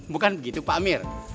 bukan begitu pak amir